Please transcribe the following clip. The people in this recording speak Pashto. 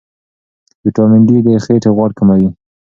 ویټامین ډي د خېټې غوړ کموي.